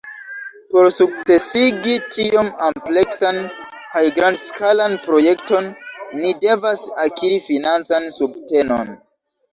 Por sukcesigi tiom ampleksan kaj grandskalan projekton, ni devas akiri financan subtenon.